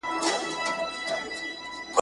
یو به زه یوه امسا وای له خپل زړه سره تنها وای ..